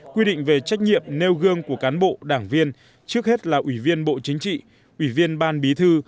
quy định về trách nhiệm nêu gương của cán bộ đảng viên trước hết là ủy viên bộ chính trị ủy viên ban bí thư